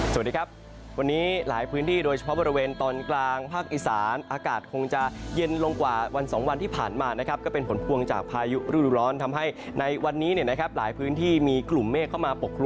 สวัสดีครับวันนี้หลายพื้นที่โดยเฉพาะบริเวณตอนกลางภาคอีสานอากาศคงจะเย็นลงกว่าวันสองวันที่ผ่านมานะครับก็เป็นผลพวงจากพายุฤดูร้อนทำให้ในวันนี้เนี่ยนะครับหลายพื้นที่มีกลุ่มเมฆเข้ามาปกครุ